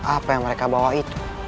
apa yang mereka bawa itu